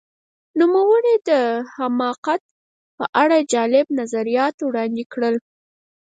نوموړي د حماقت په اړه جالب نظریات وړاندې کړل.